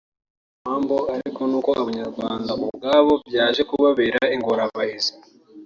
ibiramambo ariko nuko n’Abanyarwanda ubwabo byaje kubabera ingorabahizi